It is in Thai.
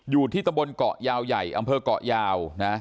อยู่ที่ตำบลเกาะยาวใหญ่อำเภอกเกาะยาวนะ